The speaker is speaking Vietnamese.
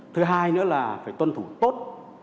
thứ hai nữa là phải tuân thủ tốt